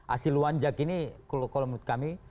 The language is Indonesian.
asil wanjak ini kalau menurut kami